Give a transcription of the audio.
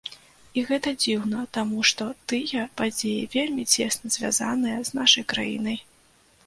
І гэта дзіўна, таму што тыя падзеі вельмі цесна звязаныя з нашай краінай.